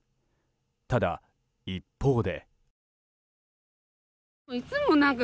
ただ一方で。